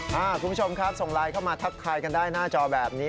คุณผู้ชมครับส่งไลน์เข้ามาทักทายกันได้หน้าจอแบบนี้